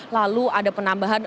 lalu ada penambahan tujuh